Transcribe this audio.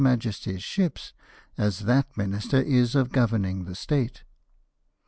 37 Majesty's ships as that Minister is of governing the State."